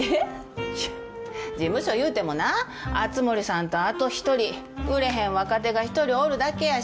いや事務所いうてもな熱護さんとあと１人売れへん若手が１人おるだけやし。